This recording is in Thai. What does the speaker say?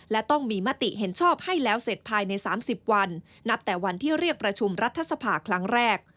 และต้องมีมติเห็นชอบให้แล้วเสร็จภายใน๓๐วันนับแต่วันที่เรียกประชุมรัฐสภาครั้งแรก